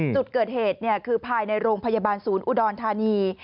จุดเกิดเหตุคือภายในโรงพยาบาลศูนย์อุดรธานี